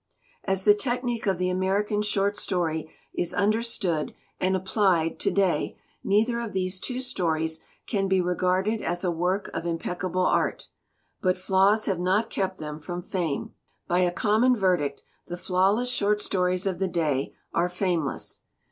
"As the technique of the American short story is understood and applied to day, neither of these two stories can be regarded as a work of impeccable art. But flaws have not kept them from fame. By a common verdict the flawless short stories of the day are fameless.